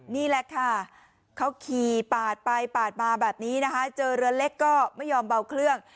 นี่แหละค่ะเขาขี่ปาดไปปาดมาแบบนี้นะคะเจอเรือเล็กก็ไม่ยอมเบาเครื่อง